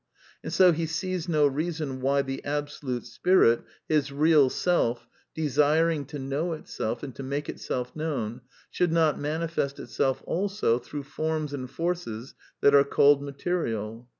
And so he sees no reason I why the Absolute Spirit, his real Self, desiring to know itself, and to make itself known, should not manifest it self also .through forms and forces that are called material.